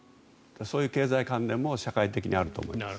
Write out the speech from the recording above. そういう経済観念も社会的にあると思います。